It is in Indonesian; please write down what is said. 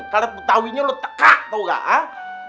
kalau ketahuinya lo teka tau gak hah